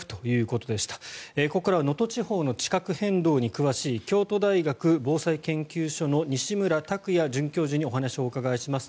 ここからは能登地方の地殻変動に詳しい京都大学防災研究所の西村卓也准教授にお話をお伺いします。